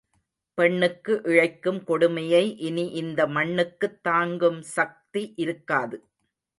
பெண்ணுக்கு இழைக்கும் கொடுமையை இனி இந்த மண்ணுக்குத் தாங்கும் சக்தி இருக்காது.